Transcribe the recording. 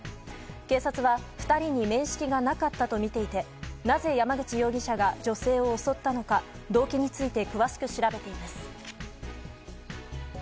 警察は２人に面識がなかったとみていてなぜ山口容疑者が女性を襲ったのか動機について詳しく調べています。